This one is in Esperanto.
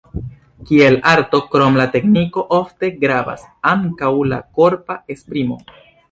Kiel arto, krom la tekniko, ofte gravas ankaŭ la korpa esprimo.